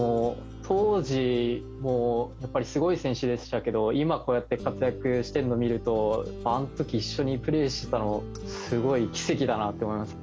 当時もやっぱりすごい選手でしたけど今こうやって活躍してるのを見るとあの時一緒にプレーしてたのすごい奇跡だなって思います。